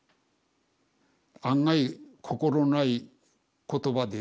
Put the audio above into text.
案外心ない言葉で。